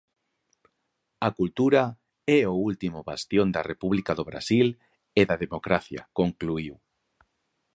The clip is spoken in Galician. A cultura é o último bastión da república do Brasil e da democracia, concluíu.